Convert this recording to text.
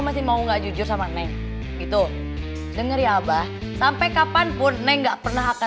masih mau nggak jujur sama neng itu denger ya abah sampai kapanpun neng nggak pernah akan